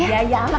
ya ya amat